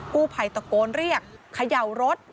กู้ภัยตะโกนเรียกเขย่ารถ